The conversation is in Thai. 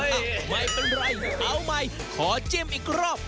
ไม่เป็นไรเอาใหม่ขอจิ้มอีกรอบ